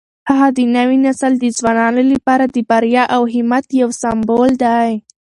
هغه د نوي نسل د ځوانانو لپاره د بریا او همت یو سمبول دی.